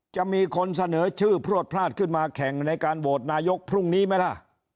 จะมีคนเสนอชื่อพลวดพลาดขึ้นมาแข่งในการโหวตนายกพรุ่งนี้ไหมล่ะ